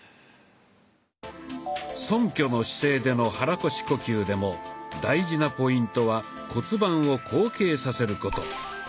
そんきょの姿勢での肚腰呼吸でも大事なポイントは骨盤を後傾させること。